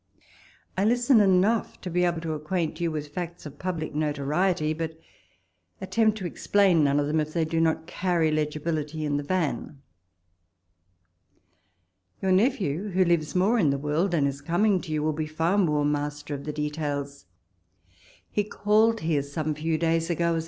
I listen enough to be able to acquaint you with facts of public notoriety ; but attempt to explain none of them, if they do not carry legibility in the van. Your nephew, who lives more in the world, and is coming to you, will be far more master of the details. He called here some few days ago, as walpole's letters.